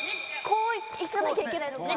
こういかなきゃいけないのか。